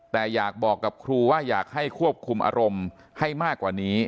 แต่อยากบอกกับครูว่าอยากให้ควบคุมอารมณ์ให้มากกว่านี้